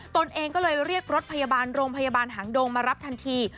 ตนเองก็เลยเรียกรถพยาบาลโรงพยาบาลหางดงมารับทันที